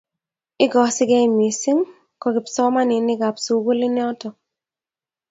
Ikasegei missing ko kipsomaninikab sugulinotok.